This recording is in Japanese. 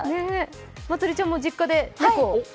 まつりちゃんも実家で猫を？